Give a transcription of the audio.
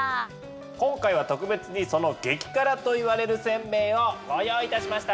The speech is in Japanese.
今回は特別にその激辛といわれる煎餅をご用意いたしました。